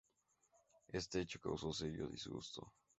Este hecho causó serio disgusto.